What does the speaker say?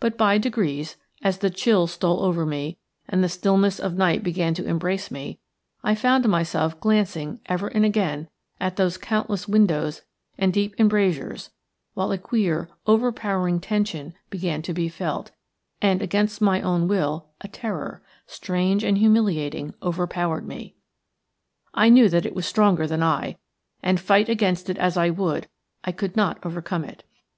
But by degrees, as the chill stole over me and the stillness of night began to embrace me, I found myself glancing ever and again at those countless windows and deep embrasures, while a queer, overpowering tension began to be felt, and against my own will a terror, strange and humiliating, overpowered me. I knew that it was stronger than I, and, fight against it as I would, I could not overcome it.